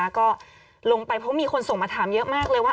ก็ลงไปเพราะมีคนส่งมาถามเยอะมากเลยว่า